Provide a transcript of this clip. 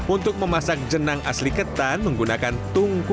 untuk memasak jenang asli ketan menggunakan tungku